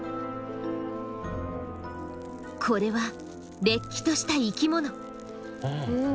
これはれっきとした生きもの。